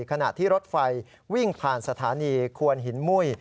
ขณะที่รถไฟวิ่งผ่านสถานีควนหินมุ้ย